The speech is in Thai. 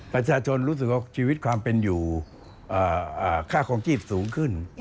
ประชาชนรู้สึกว่าชีวิตความเป็นอยู่ค่าคลองชีพสูงขึ้น